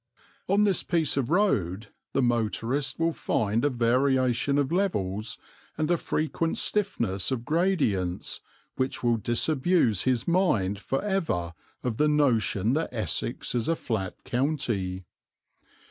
On this piece of road the motorist will find a variation of levels and a frequent stiffness of gradients which will disabuse his mind for ever of the notion that Essex is a flat county.